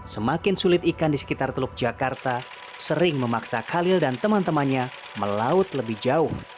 semakin sulit ikan di sekitar teluk jakarta sering memaksa khalil dan teman temannya melaut lebih jauh